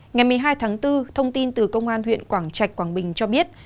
ngày một mươi hai tháng bốn thông tin từ công an huyện quảng trạch quảng bình cho biết